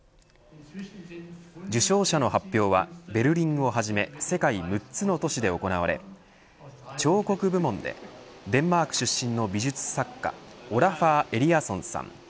受賞者の発表はベルリンをはじめ世界６つの都市で行われ彫刻部門でデンマーク出身の美術作家オラファー・エリアソンさん